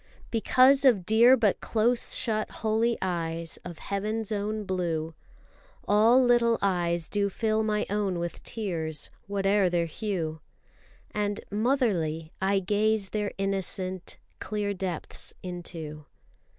Because of dear but close shut holy eyes Of heaven's own blue, All little eyes do fill my own with tears, Whate'er their hue. And, motherly, I gaze their innocent, Clear depths into.